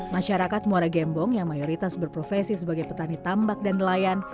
masyarakat muara gembong yang mayoritas berprofesi sebagai petani tambak dan nelayan